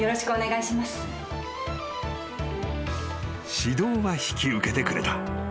［指導は引き受けてくれた］